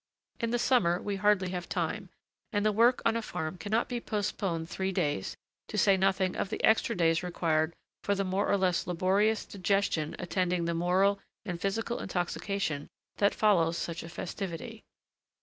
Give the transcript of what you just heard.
In the summer, we hardly have time, and the work on a farm cannot be postponed three days, to say nothing of the extra days required for the more or less laborious digestion attending the moral and physical intoxication that follows such a festivity.